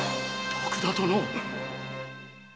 徳田殿！